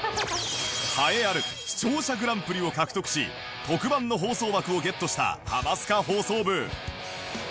栄えある視聴者グランプリを獲得し特番の放送枠をゲットした『ハマスカ放送部』